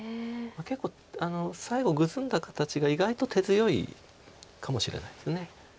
結構最後グズんだ形が意外と手強いかもしれないです。